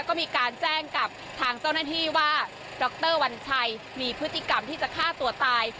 ก็มีการแจ้งกับทางเจ้าหน้าที่ว่าดรวัญชัยมีพฤติกรรมที่จะฆ่าตัวตาย